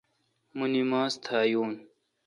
مہ نماز تھا یون۔